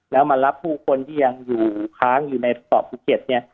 แล้วมารับผู้คนที่ยังอยู่ค้างอยู่ในเกาะภูเก็ตเนี่ย